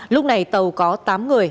lúc này tàu có tám người